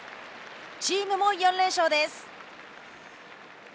チームも４連勝です。